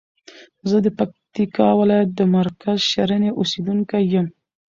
زه د پکتیکا ولایت د مرکز شرنی اوسیدونکی یم.